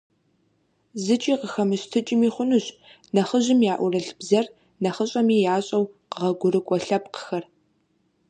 ЗыкӀи къыхэмыщтыкӀми хъунущ нэхъыжьым яӀурылъ бзэр нэхъыщӀэми ящӀэу къэгъуэгурыкӀуэ лъэпкъхэр.